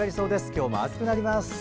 今日も暑くなります。